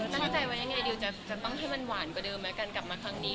ตั้งใจไว้ยังไงดิวจะต้องให้มันหวานกว่าเดิมแล้วกันกลับมาครั้งนี้